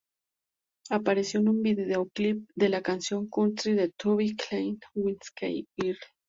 Apareció en un videoclip de la canción country de Toby Keith, Whiskey Girl.